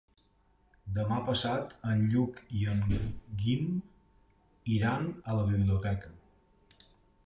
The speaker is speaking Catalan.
Demà passat en Lluc i en Guim iran a la biblioteca.